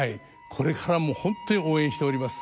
これからも本当に応援しております。